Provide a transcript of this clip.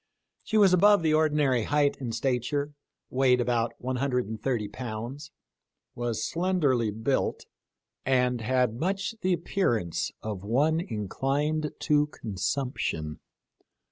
She was above the ordinary height in stature, weighed about 130 pounds, was slenderly built, and had much the appearance of one inclined to consump tion.